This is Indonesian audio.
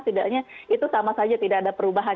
tidaknya itu sama saja tidak ada perubahan